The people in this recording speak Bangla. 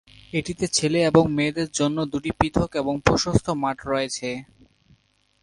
এটিতে ছেলে এবং মেয়েদের জন্য দুটি পৃথক এবং প্রশস্ত মাঠ রয়েছে।